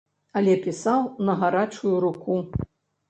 Але пісаў на гарачую руку.